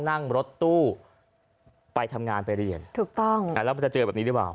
นั่งรถตู้ไปทำงานไปเรียนถูกต้องแล้วมันจะเจอแบบนี้หรือเปล่า